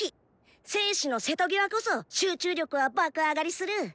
生死の瀬戸際こそ集中力は爆上がりする。